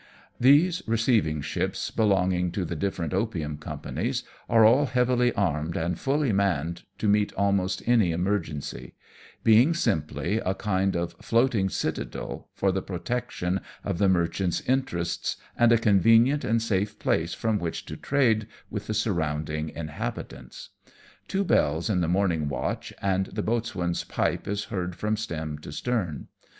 These receiving ships, belonging to the different opium companies, are all heavily armed and fully manned to meet almost any emergency ; being simply a kind of floating citadel for the protection of the merchants' DRILLING THE CREW. 7 interests, and a conYenient and safe place from which to trade with the surrounding inhabitants. Two bells in the morning watch, and the boatswain's pipe is heard from stem to stern.